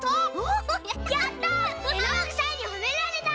やった！